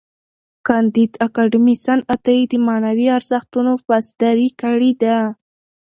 کانديد اکاډميسن عطایي د معنوي ارزښتونو پاسداري کړې ده.